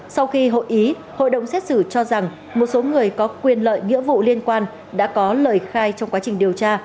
sau khi hội ý hội đồng xét xử cho rằng một số người có quyền lợi nghĩa vụ liên quan đã có lời khai trong quá trình điều tra